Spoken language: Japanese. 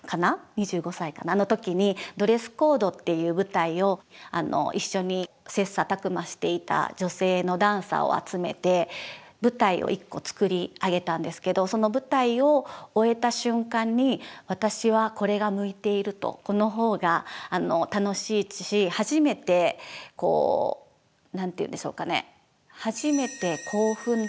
２５歳かなの時にＤＲＥＳＳＣＯＤＥっていう舞台を一緒に切磋琢磨していた女性のダンサーを集めて舞台を１個作り上げたんですけどその舞台を終えた瞬間にこのほうが楽しいし初めてこう何て言うんでしょうかね